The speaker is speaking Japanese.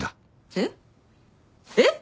えっ？えっ！？